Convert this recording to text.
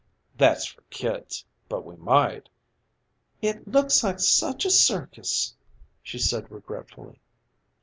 "That's for kids. But we might " "It looks like such a circus!" she said regretfully.